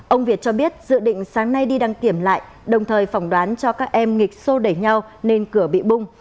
ông việt cho biết dự định sáng nay đi đăng kiểm lại đồng thời phỏng đoán cho các em nghịch xô đẩy nhau nên cửa bị bung